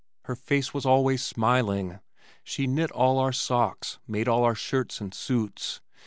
Her face was always smiling. She knit all our socks, made all our shirts and suits.